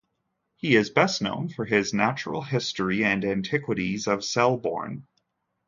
He is best known for his "Natural History and Antiquities of Selborne".